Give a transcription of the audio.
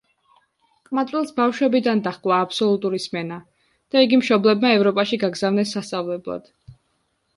ყმაწვილს ბავშვობიდან დაჰყვა აბსოლუტური სმენა და იგი მშობლებმა ევროპაში გაგზავნეს სასწავლებლად.